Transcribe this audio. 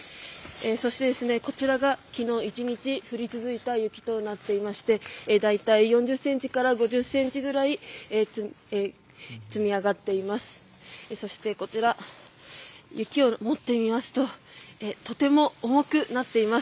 そしてこちらが昨日１日降り続いた雪となっていまして大体４０ｃｍから５０ｃｍくらい積み上がっています。